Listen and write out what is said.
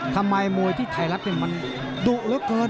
ทำไมมวยที่ไทยรัฐเนี่ยมันดุเหลือเกิน